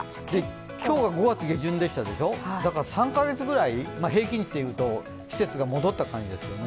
今日が５月下旬でしたでしょうだから３か月ぐらい平均値でいうと季節が戻った感じですよね。